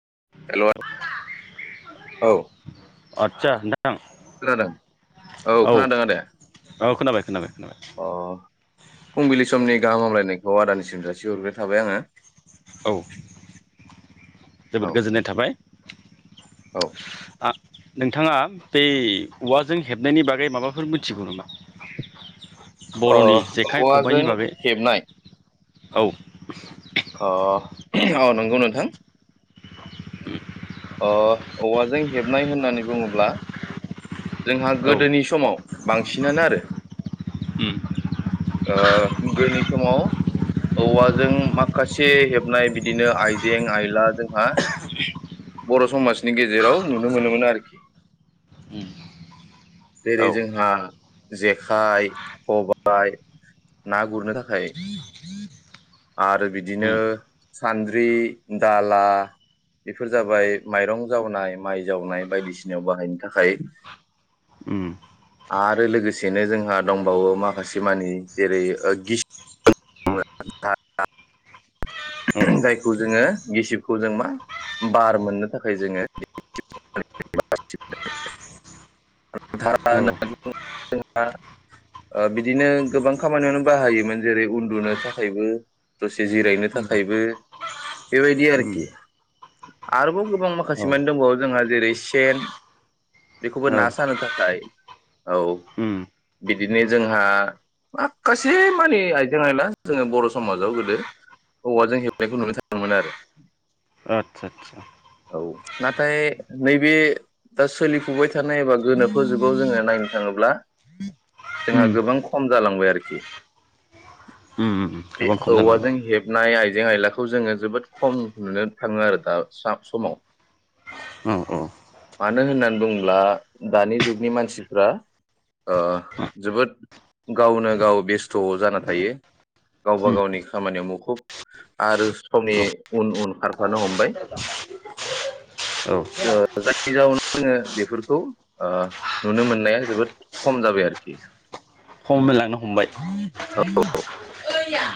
[unintelligible] औ अदसा नोंथां, खोनादों औ खोनादों आदाया? औ खोनाबाय खोनाबाय। खोनाबाय अ फुंबिलि समनि गाहाम हामलायनाय बेखौ आदानिसिम जासि हरग्रोनाय थाबाय आङो। औ जोबोद गोजोननाय थाबाय। औ आ नोंथाङा बै औवाजों हेबनायनि बागै माबाफोर मिथिगौ नामा? अ बर'नि जेखाइ खबाइनि औवाजों बागै हेबनाय, औ अह अ नंगौ नोंथां। अ औवाजों हेबनाय होननानै बुङोब्ला जोंहा औ गोदोनि समाव बांसिनानो आरो उम ओ गोदोनि समाव औवाजों माखासे हेबनाय बिदिनो आइजें आयला जोंहा बर' समाजनि गेजेराव नुनो मोनोमोन आरोखि। उम औ जेरै जोंहा जेखाइ, खबाय ना गुरनो थाखाय आरो बिदिनो उम सान्द्रि, दाला बेफोर जाबाय माइरं जावनाय, माइ जावनाय बायदिसिनायाव बाहायनो थाखाय उम आरो लोगोसेनो जोंहा दंबावो माखासे मानि जेरै ओ गिस [inaudible] औ जायखौ जोङो गिसिबखौ जों मा बार मोननो थाखाय जोङो [unintelligible] औ ओ बिदिनो गोबां खामानियावनो बाहायोमोन जेरै उन्दुनो थाखायबो दसे जिरायनो थाखाय उम थाखायबो बेबायदि उम आरोखि आरोबाव गोबां औ माखासे मानि दंबावो जोंहा जेरै सेन बेखौबो औ ना सानो थाखाय औ उम बिदिनो जोंहा माखासे मानि आइजें आइला जोङो बर' समाजाव गोदो, औवाजों हेबनायखौ नुनो थाङोमोन आरो। आदसा आदसा औ नाथाय नैबे दा सोलिफुबाय थानाय एबा गोनोखो जुगाव जोङो नायनो थाङोब्ला जोंहा उम गोबां खम जालांबाय आरोखि। उम उम बे गोबां खम जालांबाय औवाजों हेबनाय आइ जें आयलाखौ जोङो जोबोद खम नुनो थाङो आरो दा सा समाव औ औ मानो होननानै बुंङोब्ला दानि जुगनि मानसिफ्रा ओ जोबोद गावनो गाव बेस्थ जाना थायो गावबा उम गावनि खामानियाव मुखुब आरो समनि औ उन उन खारफानो हमबाय औ जायनि जााहाव जोङो बेफोरखौ नुनो मोननाया जोबोद खम जाबाय आरोखि हलांनो हमबाय [unintelligible] गै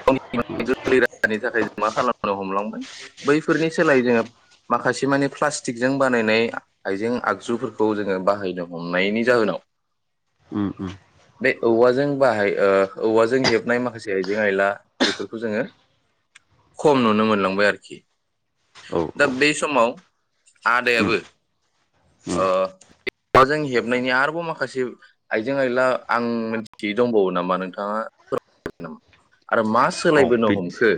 [unintelligible] गोरलै राहानि थाखाय जों मा खालामनो हमलांबाय बैफोरनि सोलायै जोङो माखासे मानि प्लास्टिकजों बानायनाय आइजें आगजुफोरखौ जोङो बाहायनो हमनायनि जाहोनाव उम उम बे औवाजों बाहाय ओ औवाजों हेबनाय माखासे आइजें आइला बेफोरखौ जोङो खम नुनो मोनलांबाय आरोखि औ दा औ बे समाव उम आदायाबो उम औवाजों हेबनायनि आरोबाव माखासे आइजें आइला आं मिथियै दंबावो नामा नोंथाङा फोर नामा? आरो मास औ सोलायबोनो बिदि हमखो?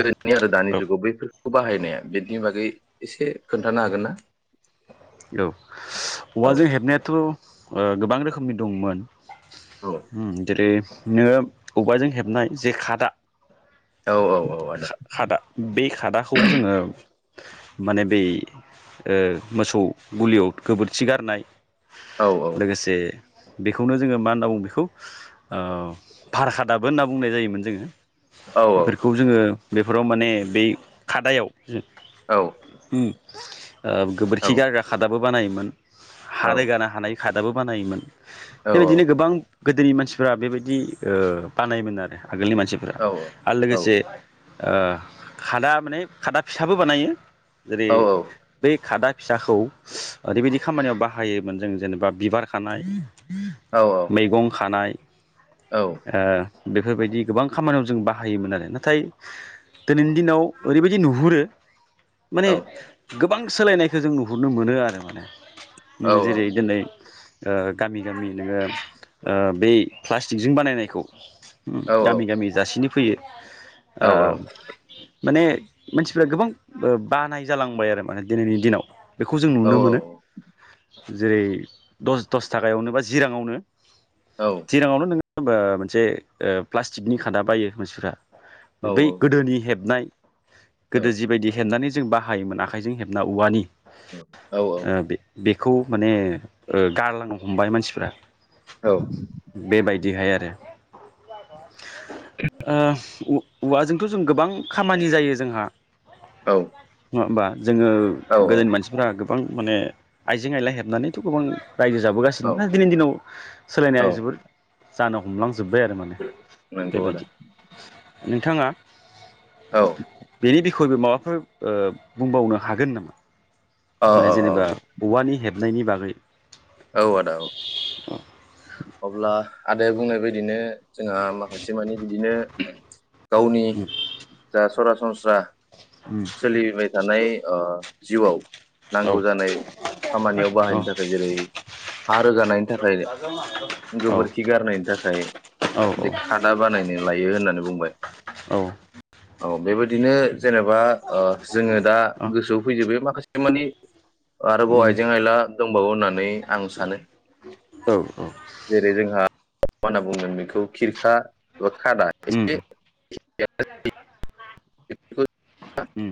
गोदोनि आरो दानि औ जुगाव बैफोरखौ बाहायनाया बिनि बागै एसे खोन्थानो हागोन ना औ औ औवाजों हेबनायाथ' गोबां रोखोम रोखोमनि दंमोन? औ ओम जेरै- नोङो औवाजों हेबनाय जे खादा औ औ औ आदा खादा बे खादाखौ जोङो माने बे मोसौ गुलियाव गोबोरखि गारनाय औ लोगोसे बेखौनो जोङो मा होनना बुंङो बेखौ ओ भारखादाबो होनना बुंनाय जायोमोन जोङो ‌। औ बेफोरखौ जोङो बेफोराव माने बे खादायाव जों औ उ ओ गोबोरखि औ गारग्रा खादाबो बानायोमोन हा औ रोगानो हानाय खादाबो बानायोमोन। औ बेबायदिनो गोबां गोदोनि मानसिफ्रा बेबायदि ओ बानायोमोन आरो आगोलनि मानसिफोरा औ आरो लोगोसे ओ खादा माने खादा फिसाबो बानायो जेरै बै खादा फिसाखौ ओरैबायदि खामानियाव बाहायोमोन जों जेनेबा बिबार खानाय मैगं खानाय ओ बेफोरबायदि गोबां खामानियाव जों बाहायोमोन आरो नाथाय दिनैनि दिनाव ओरैबायदि नुहुरो माने गोब बां सोलायनायखौ जों नुहुरनो मोनो आरो माने नोङो जेरै दिनै ओ गामि। गामि नोङो ओ बे प्लास्टिकजों बानायनायखौ। उम गामि गामि जासिनो फैयो ओ माने मानसिफ्रा गोबां बो बानाय जालांबाय आरो माने दिनैनि बेखौ जों नुनो मोनो जेरै दस दस थाखायावनो बा जिराङावनो जिराङावनो नों ओमबा मोनसे ओ प्लास्टिकनि खादा बायो मानसिफ्रा बै गोदोनि हेबनाय गोदो जिबायदि हेबनानै जों बाहायोमोन आखाइजों हेबना औवानि। ओ बे बे खौ माने ओ गारलांनो हमबाय मानसिफ्रा। बेबाय बिदिहाय आरो [unintelligible] ओ औवाजोंथ जों गोबां खामानि जायो जोंहा । औ नङा होनबा? जोङो गोदोनि मानसिफ्रा गोब गोबां माने आइजें आइला हेबनानैथ' गोबां रायजो औ जाबोगासिनो दिनैनि दिनाव औ सोलायनाया औ जोबोद जानो हमलां जोब जोब्बाय आरो माने नंगौ आदा बेबायदि। नोंथाङा औ [unintelligible] माबाफोर बुंबावनो हागोन नामा? औ माने जेनेबा औवानि हेब हेबनायनि बागै। औ आदा औ अब्ला आदाया बुंनाय बेबायदिनो जोंहा माखासे मानि बिदिनो [inaudible] गावनि उम जा सरास सनस्रा। उम सोलिबाय थानाय ओ जिउआव औ नांगौ जानाय खामानियाव औ बाहायनो थाखाय जेरै हा रोगानायनि थाखाय औ गोबोरखि गारनायनि थाखाय औ बि खादा बानायनो लायो होननानै बुंबाय औ औ बेबायदिनो जेनेबा ओ जोंङो दा गोसोआव फैजोबबाय माखासे बे मानि आरोबाव उम आइजें आयला दंबावो होननानै सानो औ औ जेरै जोंहा मा होनना बुंगोन बेखौ खिरखा बा खादा उम एसे [unintelligible] [unintelligible] उम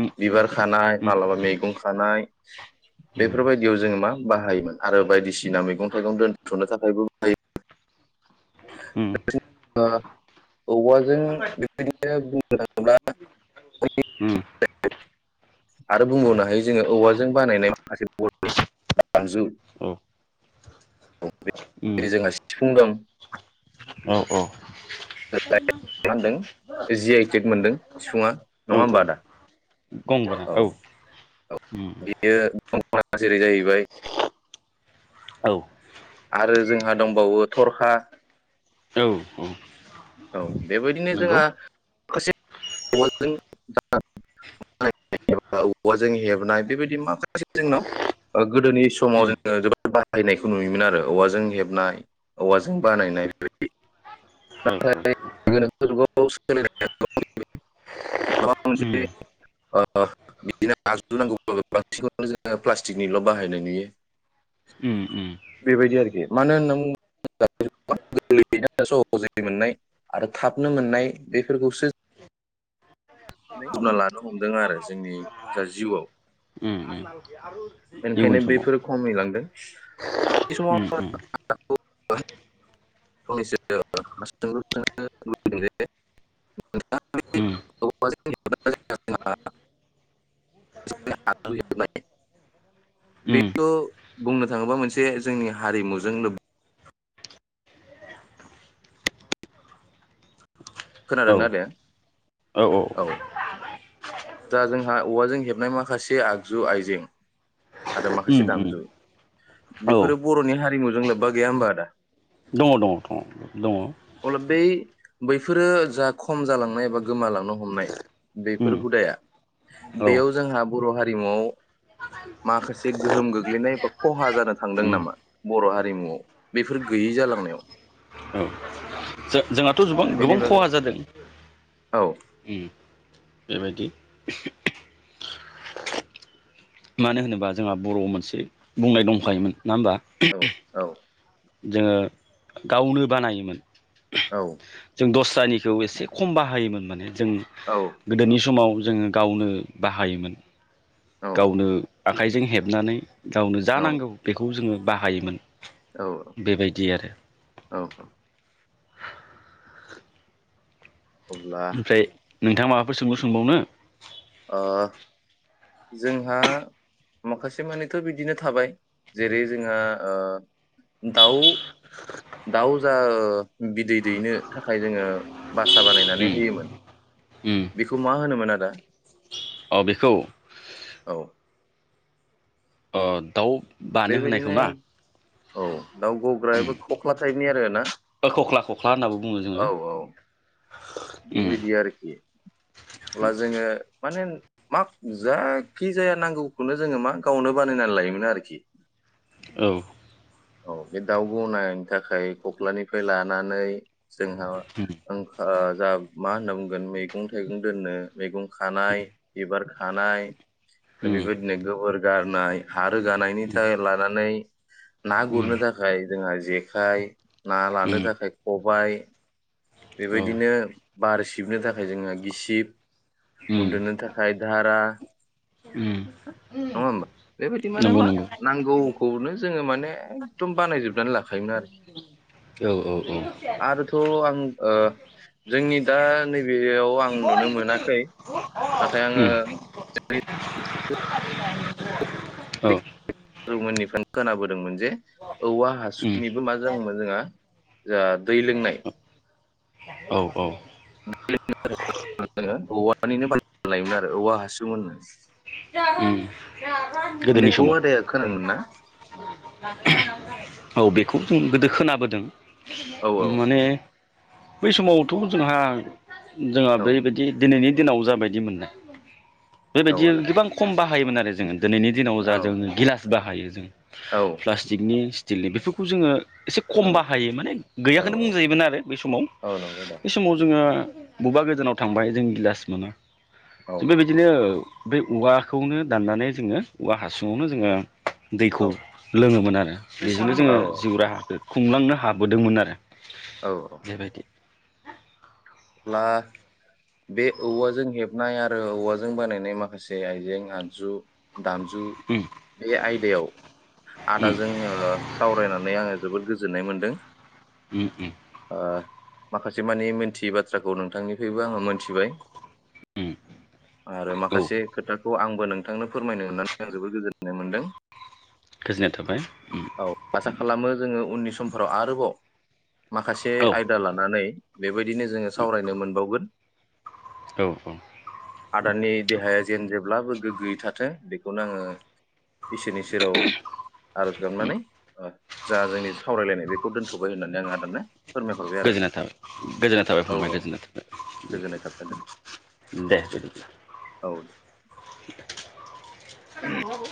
उम बिबार खानाय उम माबलाबा मैगं खा थानाय उम बेफोरबायदियाव जोङो मा बाहायोमोन आरो बायदिसिना मैगं थाइगं दोनथ'नो थाखायबो बाहायोमोन। उम [unintelligible] औवाजों बेबायदिनो [unintelligible] आरो बुंबावनो हायो जोंङो औवाजों बानायनाय माखासे बर आगजु औ उम जोंहा सिफुं दाम औ औ [unintelligible] जि आइटेक मोनदों सिफुंङा औ नंङा होमबा औ आदा औ औ उम बियो थरखाया जेरै जाहैबाय औ आरो जोंहा दंबावो थरखा औ औ औ बेबायदिनो नंगौ जोंहा माखासे औवाजों औवाजों हेबनाय बेबायदि माखासे जोंनाव गोदोनि समाव उम जोङो जोबोद बाहायनायखौ नुयोमोन आरो औवाजों हेबनाय औवाजों बानायनाय बेबायदि औ नाथाय गोनोखु जुगाव [unintelligible] माबा मोनसे उम बिदिनो आजु नांगौब्ला जोङो प्लास्टिकनिल बाहायनाय नुयो उम उम बेबायदि आरोखि मानो नों गै स पजिति मोननाय आरो थाबनो मोननाय बेफोरखौसो बुंना लानो हमदों आरो जोंनि जा जिउआव। उम उम इयुन ओंखायनो समाव बैफोर खमिलांदों। उम उम उम [unintelligible] उम बेथ' बुंनो थाङोबा मोनसे जोंनि हारिमुजों लोब औ खोनादोंना आदाया औ दा जोंहा औवाजों हेबनाय माखासे आगजु आइजें आरो माखासे उम उम दामजु औ बेफोरो बरनि हारिमुजों लोब्बा गैया होमबा आदा। दङ दङ दङ दङ। फोरो जा खम जालांनाय बा गोमालांनो हमनाय, उम बेफोर हुदाया, बेयाव जोंहा बर' हारिमुआव माखासे गोहोम गोग्लैनाय बा खहा जानो थांदों नामा? बर' हारिमुआव बेफोर गैयै जालांनायाव? औ जोंहाथ गोबां बेनि गोबां बागै खहा जादों। औ। उम बेबायदि। मानो होनोबा जोंहा बर'आव मोनसे बुंनाय दंखायोमोन। नङा औ होमबा। औ। जोङो गावनो बानायोमोन। औ जों दस [unintelligible] एसे खम बाहायोमोन माने। जों औ गोदोनि समाव जोङो गावनो बाहायोमोन। गावनो। आखाइजों हेबनानै। गावनो जा औ नांगौ बेखौ जोंङो । बाहायोमोन। औ बेबायदि आरो औ औ। अब्ला ओमफ्राय। नोंथाङा माबाफोर सोंगौ सोंबावनो? ओ जोंहा माखासे मानिथ बिदिनो थाबाय जेरै जोंहा ओ दाउ दाउ जा बिदै दैनो थाखाय जोङो बासा बानायनानै उम होयोमोन उम बेखौ मा होनोमोन आदा? अ बे खौ। औ अ दाउ बानो होनायखौ बेबायदिनो ना औ दाउ गग्रायाबो खख्ला टाइपनि आरोना ओ खख्ला खख्ला होननाबो बुङो औ जोङो औ । उम बेबायदि आरोखि अब्ला जोङो माने। मा जायखि जाया नांगौखौनो जोङो मा गावनो बानायनानै लायोमोन आरोखि। औ। औ बे दाउ गनायनायनि थाखाय खख्लानिफ्राय लानानै। जोंहा उम ओंखा जा मा होन्ना बुंगोन मैगं थाइगं दोननो मैगं खानाय एबार खानाय उम बेबायदिनो गोबोर गारनाय हा रोगानायनि थायार लानानै। ना उम गुरनो थाखाय जोंहा जेखाइ ना लानो उम थाखाय ख बाय औ बेबायदिनो बार सिबनो थाखाय जोंहा गिसिब उम उन्दुनो थाखाय धारा उम नङा होमबा बेबायदि माने नंगौ मा नंगौ नांगौखौनो जोङो माने एखदम बानायजोबनानै लाखायोमोन आरोखि औ औ औ उम आरोथ आं ओ जोंनि दा नै बेयाव आं औ नुनो मोनाखै नाथाय आङो जोंनि औ [unintelligible] मोननिफ्रायनो खोनाबोदोंमोन। जे औवा उम हासुनिबो मा जोन जोंहा जा दै लोंनाय औ औ [unintelligible] मानिनो बा लायोमोन आरो औवा हासुं उम गोदोनि बेखौ आदाया समाव खोनादोंमोन ना औ बेखौ जों गोदो खोनाबोदों। औ माने बै समावथ जोंहा जोंहा औ बैबायदि दिनैनि। दिनाव जाबायदि मोननाय बे औ आदा बायदि [unintelligible] खम बाहायोमोन आरो जोङो दिनैनि दिनाव जा औ जों गिलास बाहायो जों औ प्लास्टिकनि दिललि बेफोरखौ जोङो एसे औ खम बाहायो माने औ गैयाखौनो औ बुंजायोमोन आरो बै समाव औ नंगौ दा बेै समाव जोङो बबेबा गोजानाव थांबाय जों गिलास मोनो औ जों बो बिदिनो बेव औवाखौनो दाननानै जोङो औवा हासुङावनो जोङो दैखौ औ लोङोमोन आरो बेजोंबो जोङो औ जिउ राहाखौ खुंलांनो हाबोदोंमोन आरो। बेबायदि अब्ला बे औवाजों हेबनाय आरो औवाजों बानायनाय माखासे आइजें आगजु दामजु उम बे आयदायाव उम आदाजों ओ सावरायनानै आङो जोबोद गोजोननाय मोन्दों। उम उम ओ माखासे मानि मोनथियोबद थ्राखौ नोंथांनि बेबो आङो मोनथिबाय उम आरो औ माखासे खोथाखौ आं नोंथांनो फोरमायनो मोननानै आं जोबोद गोजोननाय मोनदों। गोजोननाय थाबाय ओम। औ आसा खालामो जोङो उननि समफोराव आरोबाव माखासे औ आयदा लानानै बेबायदिनो सावरायनो मोनबावगोन औ आदानि देहाया जेन जे ब्लाबो गोग्गोयै थाथों बेखौनो आङो इसोरनि सेराव आर'ज [unintelligible] नानै जा जोंनि सावरायलायनाय बेखौ दोनथबाय होननानै आं आदानो फोरमायहरबाय आरो दा गोजोननाय थाबाय गोजोननाय थाबाय औ फंबाय औ गोजोननाय थाबाय गोजोननाय थाबाय आदा दे बिदिब्ला। औ दे [unintelligible]